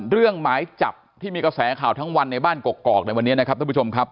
หมายจับที่มีกระแสข่าวทั้งวันในบ้านกอกในวันนี้นะครับท่านผู้ชมครับ